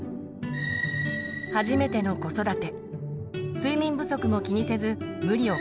初めての子育て。